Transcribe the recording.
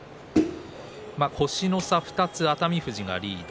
星の差２つ熱海富士がリード。